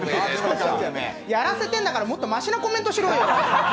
やらせてんだから、もっとましなコメントしろよ。